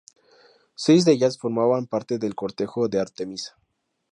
Seis de ellas formaban parte del cortejo de Artemisa.